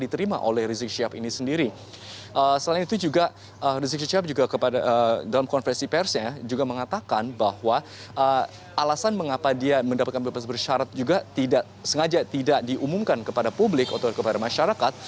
tidak sengaja tidak diumumkan kepada publik atau kepada masyarakat